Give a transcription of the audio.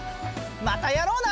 またやろうな！